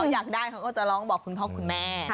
อยากได้เขาก็จะร้องบอกคุณพ่อคุณแม่